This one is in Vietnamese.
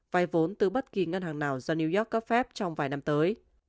vay vốn từ bất kỳ ngân hàng nào do new york cấp phép trong vài năm tới